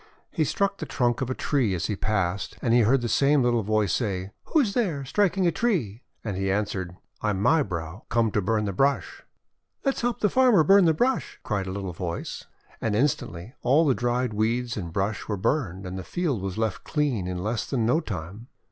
He struck the trunk of a tree as he passed, and he heard the same little voice say: — "Who is there, striking a tree?' And he answered, :<I am My brow come to burn the brush." "Let us help the farmer burn the brush I9' cried the little voice. And instantly all the dried weeds and brush were burned, and the field was left clean in less than no time.